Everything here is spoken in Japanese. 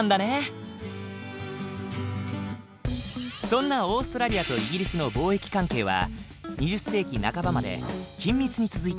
そんなオーストラリアとイギリスの貿易関係は２０世紀半ばまで緊密に続いていた。